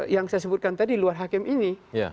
yang saya sebutkan tadi luar hakim ini